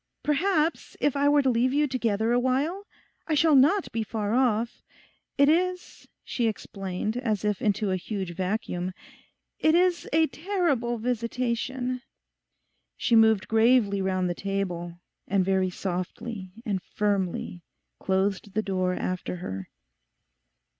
'Perhaps if I were to leave you together awhile? I shall not be far off. It is,' she explained, as if into a huge vacuum, 'it is a terrible visitation.' She moved gravely round the table and very softly and firmly closed the door after her.